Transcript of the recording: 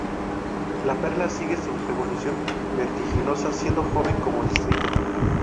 La Perla sigue su evolución vertiginosa, siendo joven como Distrito.